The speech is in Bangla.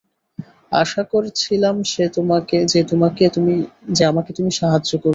আশা করছিলাম যে আমাকে তুমি সাহায্য করবে।